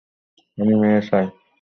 আমি মেয়ে চাই?